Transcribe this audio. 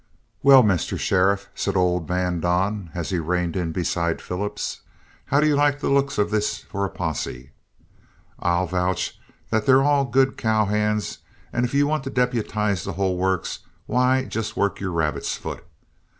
"Well, Mr. Sheriff," said old man Don, as he reined in beside Phillips, "how do you like the looks of this for a posse? I'll vouch that they're all good cow hands, and if you want to deputize the whole works, why, just work your rabbit's foot.